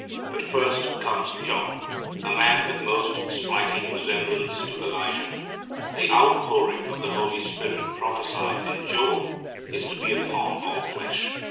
But first comes John, a man with most striking resemblance to Elijah. The outpouring of the Holy Spirit prophesied in Joel is to be upon all flesh.